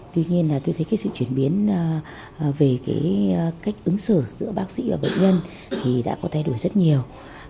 tuy nhiên tôi thấy sự chuyển biến về cách ứng xử giữa bác sĩ và bệnh nhân đã có thay đổi rất nhiều